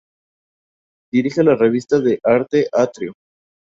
Dirige la revista de arte "Atrio".